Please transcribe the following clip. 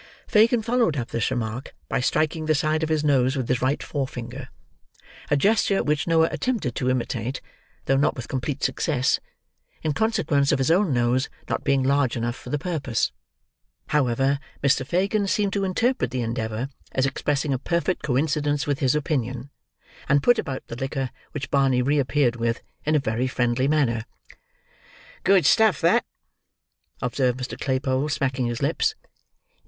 Fagin followed up this remark by striking the side of his nose with his right forefinger,—a gesture which Noah attempted to imitate, though not with complete success, in consequence of his own nose not being large enough for the purpose. However, Mr. Fagin seemed to interpret the endeavour as expressing a perfect coincidence with his opinion, and put about the liquor which Barney reappeared with, in a very friendly manner. "Good stuff that," observed Mr. Claypole, smacking his lips.